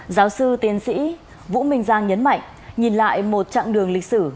giáo sư tiên sĩ vũ minh giang nhấn mạnh nhìn lại một trạng đường lịch sử